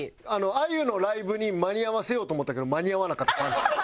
あゆのライブに間に合わせようと思ったけど間に合わなかったパンツ。